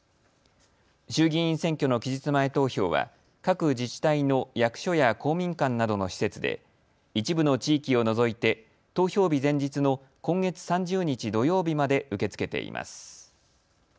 衆議院選挙の期日前投票は各自治体の役所や公民館などの施設で一部の地域を除いて投票日前日の今月３０日土曜日まで受け付けています。